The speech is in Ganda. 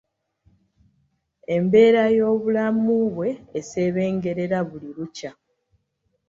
Embeera y'obulamu bwe esebengerera buli lukya.